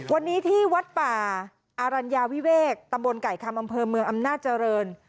วันนี้ที่วัดป่าอรัญญาวิเวกตำบลไก่คำอำเภอเมืองอำนาจเจริญ